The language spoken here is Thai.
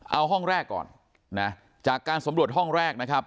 เอาห้องแรกก่อนนะจากการสำรวจห้องแรกนะครับ